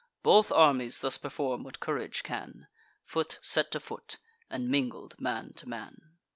Both armies thus perform what courage can; Foot set to foot, and mingled man to man.